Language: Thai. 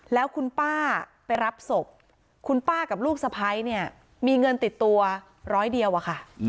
แล้วคุณป้าไปรับศพคุณป้ากับลูกสะพ้ายเนี่ยมีเงินติดตัวร้อยเดียวอะค่ะ